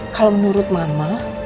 kalau menurut mama